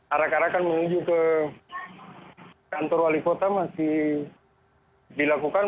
arak arakan menuju ke kantor wali kota masih dilakukan